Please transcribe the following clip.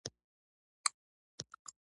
پنېر د کبابو سره ښه خوري.